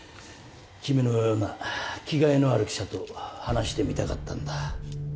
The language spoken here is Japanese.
君のような気概のある記者と話してみたかったんだ。